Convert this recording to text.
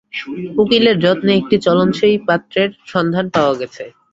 উকিলের যত্নে একটি চলনসই পাত্রের সন্ধান পাওয়া গেছে।